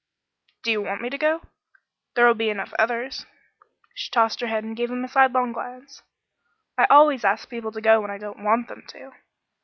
"Do you want me to go? There'll be enough others " She tossed her head and gave him a sidelong glance. "I always ask people to go when I don't want them to."